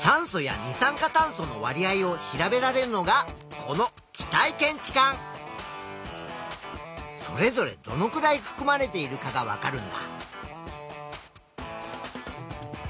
酸素や二酸化炭素のわり合を調べられるのがこのそれぞれどのくらいふくまれているかがわかるんだ。